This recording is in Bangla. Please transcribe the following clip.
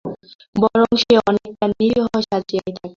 বরং সে অনেকটা নিরীহ সাজিয়াই থাকে।